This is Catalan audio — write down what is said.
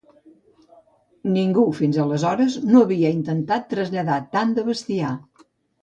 Ningú fins aleshores no havia intentat traslladar tant de bestiar.